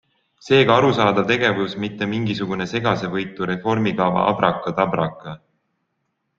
Seega arusaadav tegevus, mitte mingisugune segasevõitu reformikava abraka-tabraka.